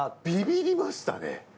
ビビりましたね。